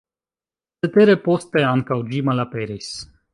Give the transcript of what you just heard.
Cetere poste ankaŭ ĝi malaperis.